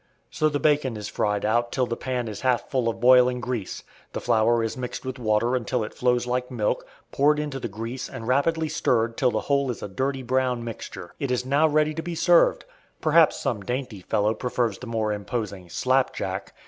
So the bacon is fried out till the pan is half full of boiling grease. The flour is mixed with water until it flows like milk, poured into the grease and rapidly stirred till the whole is a dirty brown mixture. It is now ready to be served. Perhaps some dainty fellow prefers the more imposing "slapjack."